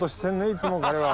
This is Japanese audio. いつも彼は。